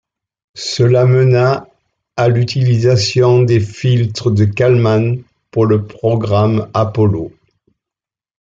Cela mena à l'utilisation des filtres de Kalman pour le programme Apollo.